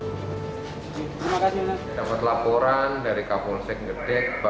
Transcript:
dapat laporan dari kabupaten mojokerto barat kabupaten mojokerto barat kabupaten mojokerto barat